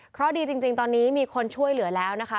เพราะดีจริงตอนนี้มีคนช่วยเหลือแล้วนะคะ